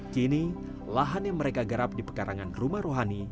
kini lahan yang mereka garap di pekarangan rumah rohani